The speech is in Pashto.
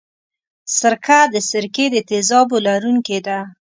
سرکه د سرکې د تیزابو لرونکې ده.